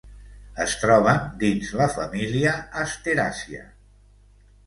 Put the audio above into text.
Es troben dins la família asteràcia.